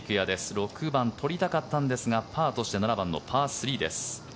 ６番、取りたかったんですがパーとして７番のパー３です。